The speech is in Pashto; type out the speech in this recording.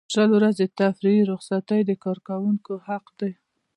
شل ورځې تفریحي رخصتۍ د کارکوونکي حق دی.